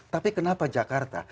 tapi kenapa jakarta